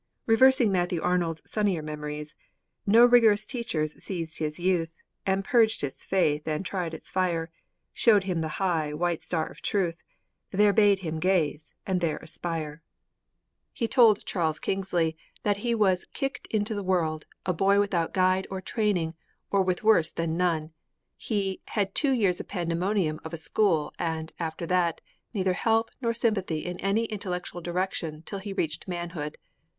Reversing Matthew Arnold's sunnier memories: No rigorous teachers seized his youth, And purged its faith and tried its fire, Shewed him the high, white star of truth, There bade him gaze, and there aspire. 'He told Charles Kingsley that he was "kicked into the world, a boy without guide or training, or with worse than none"; he "had two years of a pandemonium of a school, and, after that, neither help nor sympathy in any intellectual direction till he reached manhood."'